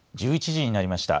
１１時になりました。